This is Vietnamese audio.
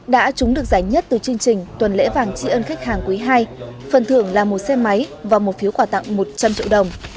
đã trúng được giải nhất từ chương trình tuần lễ vàng tri ân khách hàng quý ii phần thưởng là một xe máy và một phiếu quà tặng một trăm linh triệu đồng